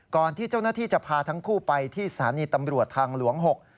ที่เจ้าหน้าที่จะพาทั้งคู่ไปที่สถานีตำรวจทางหลวง๖